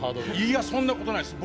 いやそんなことないです。